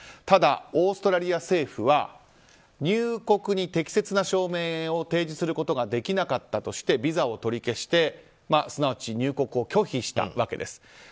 ただオーストラリア政府は入国に適切な証明を提示することができなかったとしてビザを取り消してすなわち入国を拒否したわけです。